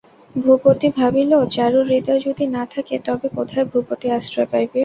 ভূপতি ভাবিল, চারুর হৃদয় যদি না থাকে তবে কোথায় ভূপতি আশ্রয় পাইবে।